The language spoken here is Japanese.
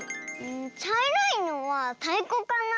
ちゃいろいのはたいこかな？